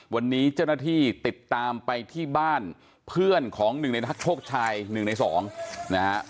วันนี้เจ้าหน้าที่ติดตามไปที่บ้านเพื่อนของหนึ่งในนักโชคชาย๑ใน๒นะฮะ